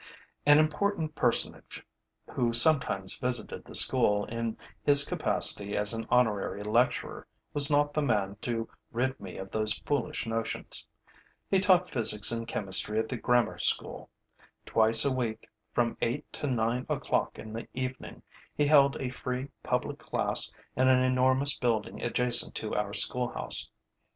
An important personage who sometimes visited the school, in his capacity as an honorary lecturer, was not the man to rid me of those foolish notions. He taught physics and chemistry at the grammar school. Twice a week, from eight to nine o'clock in the evening, he held a free public class in an enormous building adjacent to our schoolhouse.